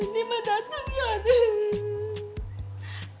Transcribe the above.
nima datang ya deh